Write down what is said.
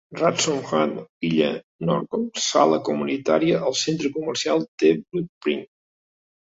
Rawson Hall, illa de Norfolk - sala comunitària al centre comercial The Burnt Pine.